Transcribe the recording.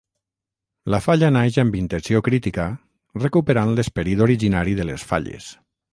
La falla naix amb intenció crítica, recuperant l'esperit originari de les falles.